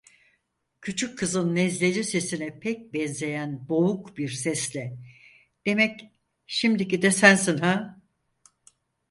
Küçük kızın nezleli sesine pek benzeyen boğuk bir sesle: "Demek şimdiki de sensin ha?".